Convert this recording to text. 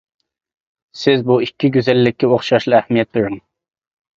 سىز بۇ ئىككى گۈزەللىككە ئوخشاشلا ئەھمىيەت بېرىڭ.